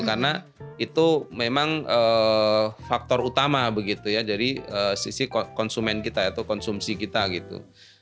karena itu memang faktor utama begitu ya dari sisi konsumen kita atau konsumsi kita gitu